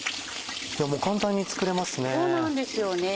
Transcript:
今日もう簡単に作れますね。